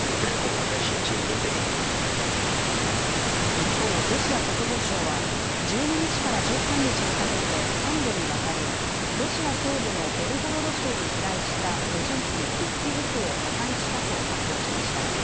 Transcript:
一方、ロシア国防省は１２日から１３日にかけて３度にわたりロシア西部のベルゴロド州に飛来した無人機１機ずつを破壊したと発表しました。